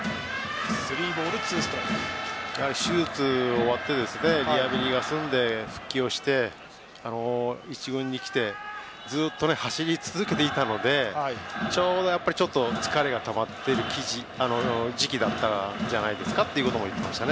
手術が終わってリハビリが済んで、復帰して１軍に来てずっと走り続けていたのでちょうど疲れがたまっている時期だったんじゃないですかということも言っていました。